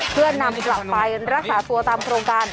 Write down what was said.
เพื่อนำกลับไปรักษาตัวตามโครงการ